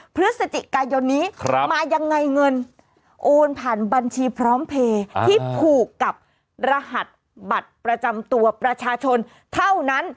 พฤศจิกายนนี้มายังไงเงินโอนผ่านบัญชีพร้อมเพลย์ที่ผูกกับรหัสบัตรประจำตัวประชาชนเท่านั้น